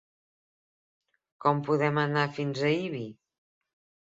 Com podem anar fins a Ibi?